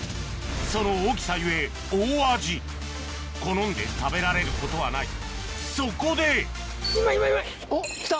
その大きさゆえ大味好んで食べられることはないそこで今今今！おっきた？